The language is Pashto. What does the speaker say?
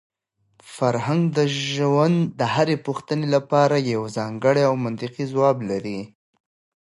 فرهنګ د ژوند د هرې پوښتنې لپاره یو ځانګړی او منطقي ځواب لري.